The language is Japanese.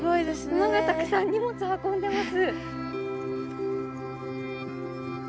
馬がたくさん荷物運んでます。